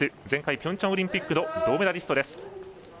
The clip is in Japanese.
前回ピョンチャンオリンピックの銅メダリストです。